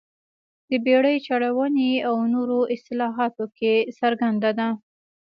د بېړۍ چلونې او نورو اصلاحاتو کې څرګنده ده.